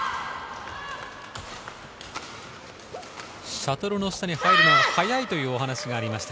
シャトルの下に入るのが早いという話がありました。